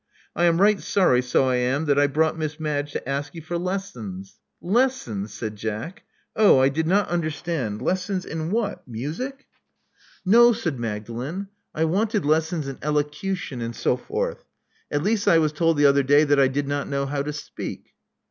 I am right sorry, so I am, that I brought Miss Madge to ask you for lessons." "Lessons!" said Jack. "Oh! I did not understand. Lessons in what? Music?" Love Among the Artists 95 "No, said Magdalen. I wanted lessons in elocu tion and so forth. At least, I was told the other day that I did not know how to speak."